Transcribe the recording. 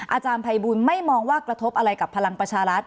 อาจารย์ภัยบูลไม่มองว่ากระทบอะไรกับพลังประชารัฐ